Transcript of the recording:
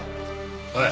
おい。